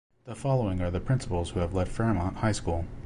The following are the principals who have led Fairmont High School.